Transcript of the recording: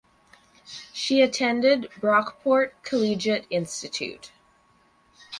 She attended Brockport Collegiate Institute.